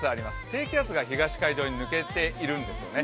低気圧が東海上へ抜けているんですね。